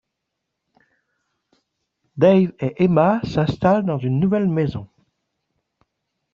Dave et Emma s'installent dans une nouvelle maison.